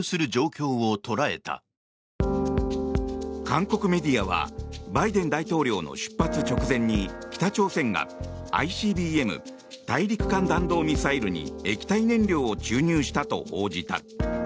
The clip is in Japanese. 韓国メディアはバイデン大統領の出発直前に北朝鮮がＩＣＢＭ・大陸間弾道ミサイルに液体燃料を注入したと報じた。